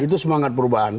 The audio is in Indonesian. itu semangat perubahan